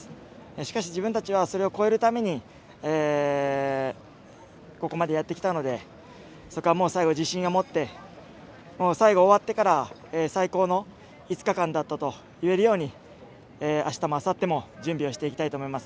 しかし、自分たちはそれを超えるためにここまでやってきたのでそこは、最後は自信を持って最後、終わってから最高の５日間だったと言えるようにあしたもあさっても準備をしていきたいと思います。